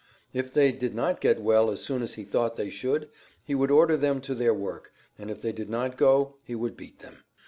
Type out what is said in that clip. If they did not get well as soon as he thought they should, he would order them to their work, and if they did not go he would beat them.